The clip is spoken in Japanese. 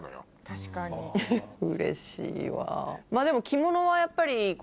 うれしいわ！